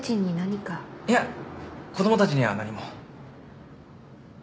いや子供たちには何も。